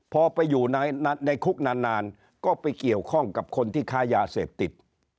พอไปอยู่ในคุกนานก็ไปเกี่ยวข้องกับคนที่ค้ายาเสพติด